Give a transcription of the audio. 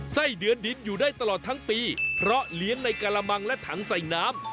ไส้เดือนดินอยู่ได้ตลอดทั้งปีเพราะเลี้ยงในกระมังและถังใส่น้ำ